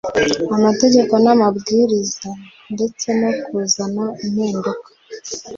amategeko n'amabwiriza, ndetse no kuzana impinduka